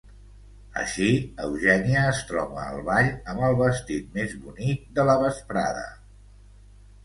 Així, Eugènia es troba al ball amb el vestit més bonic de la vesprada.